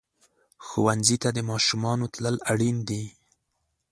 ښوونځي ته د ماشومانو تلل اړین دي.